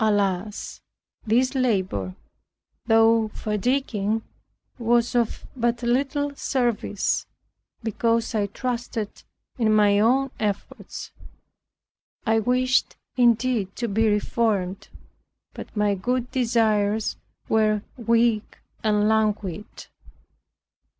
Alas! this labor, though fatiguing, was of but little service, because I trusted in my own efforts. I wished indeed to be reformed, but my good desires were weak and languid.